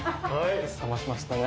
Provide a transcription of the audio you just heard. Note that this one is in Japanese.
冷ましましたね。